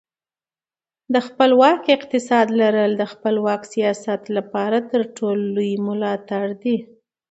د خپلواک اقتصاد لرل د خپلواک سیاست لپاره تر ټولو لوی ملاتړ دی.